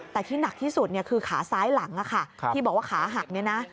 แต่ที่หนักที่สุดคือขาซ้ายหลังที่บอกว่าขาหักเนี่ยนะ